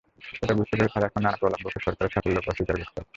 এটা বুঝতে পেরে তাঁরা এখন নানা প্রলাপ বকে সরকারের সাফল্যকে অস্বীকার করছেন।